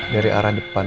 dari arah depan